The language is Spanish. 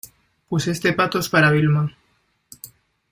pues este pato es para Vilma.